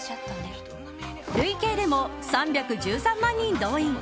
累計でも３１３万人動員。